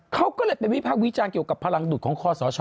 เขาก็เลยไปวิพากษ์วิจารณ์เกี่ยวกับพลังดุดของคอสช